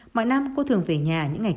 mọi năm cô thường về nhà những ngày cao